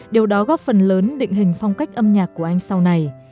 điều đó góp phần lớn định hình phong cách âm nhạc của anh sau này